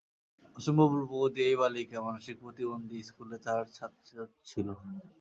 অসম্ভব রূপবতী এই বালিকা মানসিক প্রতিবন্ধী স্কুলে তাঁর ছাত্রী ছিল।